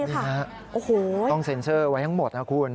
โอ้โฮต้องเซนเซอร์ไว้ทั้งหมดนะครับคุณ